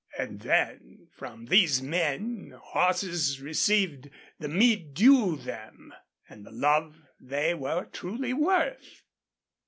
And then, from these men, horses received the meed due them, and the love they were truly worth.